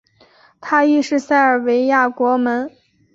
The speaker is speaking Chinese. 他亦是塞尔维亚国门。